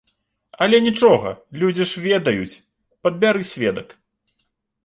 Але нічога, людзі ж ведаюць, падбяры сведак.